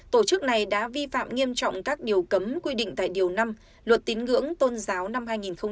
tổ chức này đã vi phạm nghiêm trọng các điều cấm quy định tại điều năm luật tín ngưỡng tôn giáo năm hai nghìn một mươi bốn